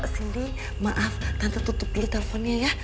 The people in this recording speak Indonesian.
sindy maaf tante tutup dulu telfonnya ya